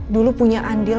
dulu punya andil